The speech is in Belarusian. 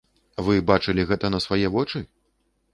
Вы бачылі гэта на свае вочы?